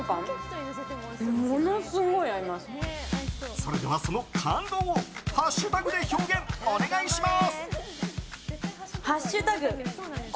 それではその感動をハッシュタグで表現お願いします！